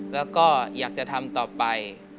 แล้วก็อยากจะทำต่อไป